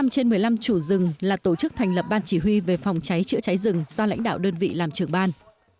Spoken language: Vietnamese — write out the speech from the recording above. một mươi trên một mươi năm chủ rừng là tổ chức thành lập ban chỉ huy về phòng cháy chữa cháy rừng do lãnh đạo đơn vị làm trưởng ban